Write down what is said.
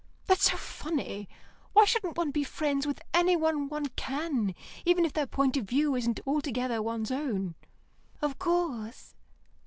That's so funny. Why shouldn't one be friends with anyone one can, even if their point of view isn't altogether one's own?" "Of course."